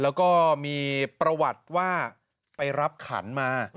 แล้วก็มีประวัติว่าไปรับขันมา